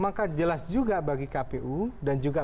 maka jelas juga bagi kpu dan juga